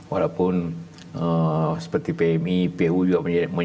walaupun seperti pmi puju menyiapkan